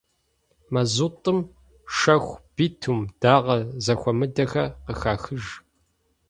Мазутӏым шэху, битум, дагъэ зэхуэмыдэхэр къыхахыж.